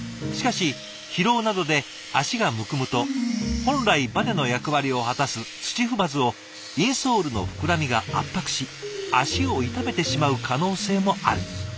しかし疲労などで足がむくむと本来バネの役割を果たす土踏まずをインソールの膨らみが圧迫し足を痛めてしまう可能性もある。